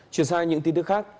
chuyển sang những tin tức khác